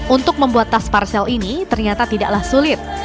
untuk membuat tas parsel ini ternyata tidaklah sulit